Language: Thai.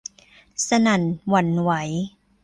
สนั่นหวั่นไหว